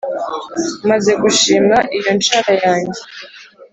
maze gushima iyo nshara yanjye,